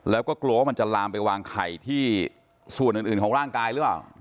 แล้วก็กลัวว่ามันจะลามไปวางไข่ที่ส่วนอื่นของร่างกายหรือเปล่า